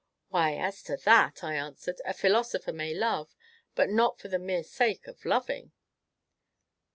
"Why, as to that," I answered, "a philosopher may love, but not for the mere sake of loving."